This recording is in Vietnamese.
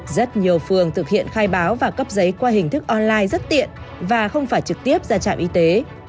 rất nhiều phường thực hiện khai báo và cấp giấy qua hình thức online rất tiện và không phải trực tiếp ra trạm y tế